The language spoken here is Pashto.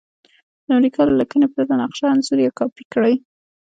د امریکا له لکنې پرته نقشه انځور یا کاپي کړئ.